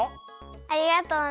ありがとうね。